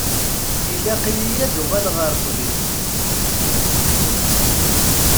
Ilaq-iyi ad uɣaleɣ ɣer ṭṭbib.